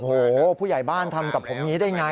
โอ้โหผู้ใหญ่บ้านทำกับผมอย่างนี้ได้ไง